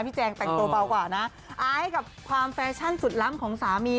แต่พี่แจ๊กส์แต่งตัวเบากว่านะอายกับความแฟชั่นสุดล้ำของสามี